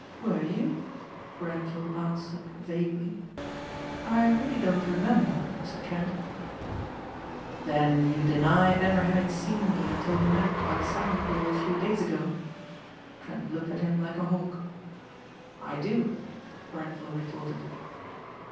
"Were you?" Grenvil answered vaguely. "I really don't remember Mr. Trent." "Then you deny ever having seen me until we met by the salmon pool a few days ago?" Trent looked at him like a hawk. "I do," Grenvil retorted.